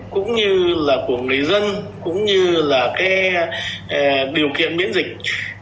cũng như là của người dân cũng như là cái điều kiện miễn dịch